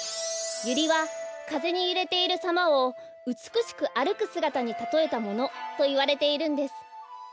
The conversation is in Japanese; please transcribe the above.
ユリはかぜにゆれているさまをうつくしくあるくすがたにたとえたものといわれているんです。